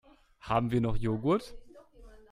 Haben wir noch Joghurt?